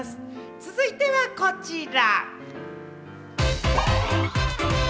続いてはこちら！